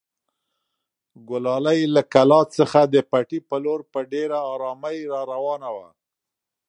ګلالۍ له کلا څخه د پټي په لور په ډېرې ارامۍ راروانه وه.